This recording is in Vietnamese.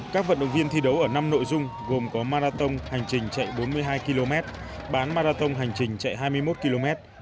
các vận động viên thi đấu ở năm nội dung gồm có marathon hành trình chạy bốn mươi hai km bán marathon hành trình chạy hai mươi một km